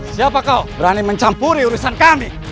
siapa kau berani mencampuri urusan kami